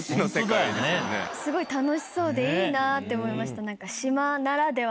すごい楽しそうでいいなって思いました。